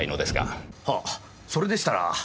はぁそれでしたら。